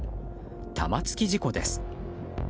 玉突き事故です。